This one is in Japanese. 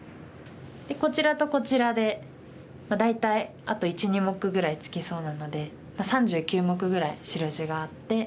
こちらとこちらで大体あと１２目ぐらいつきそうなので３９目ぐらい白地があって。